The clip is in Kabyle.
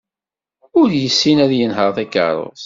Ur yessin ad yenher takeṛṛust.